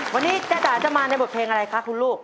วันนี้จ้าจ๋าจะมาในบทเพลงอะไรคะคุณลูก